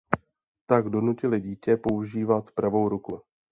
Tak donutili dítě používat pravou ruku.